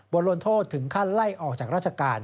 ลวนโทษถึงขั้นไล่ออกจากราชการ